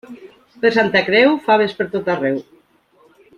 Per Santa Creu, faves pertot arreu.